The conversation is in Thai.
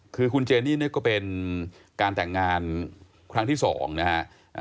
คือคุณเจนี่นี่ก็เป็นการแต่งงานครั้งที่๒นะฮะ